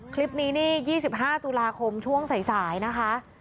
คลิปนี้นี่๒๕ตุลาคมช่วงสายนะคะ